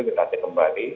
kita cek kembali